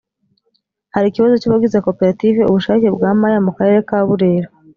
hari ikibazo cy’abagize koperative ubushake bwa maya mu karere ka burera